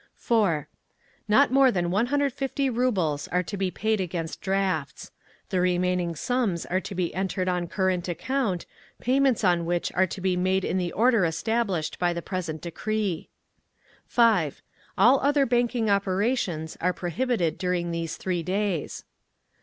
4. Not more than 150 rubles are to be paid against drafts; the remaining sums are to be entered on current account, payments on which are to be made in the order established by the present decree. 5. All other banking operations are prohibited during these three days.